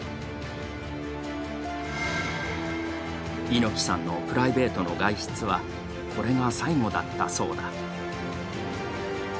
猪木さんのプライベートの外出は、これが最後だったそうだ。